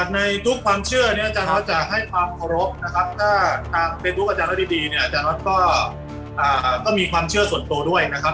ในทุกความเชื่อเนี่ยอาจารย์น็อตจะให้ความเคารพนะครับถ้าทางเฟซบุ๊คอาจารย์ฤดีเนี่ยอาจารย์ออสก็มีความเชื่อส่วนตัวด้วยนะครับ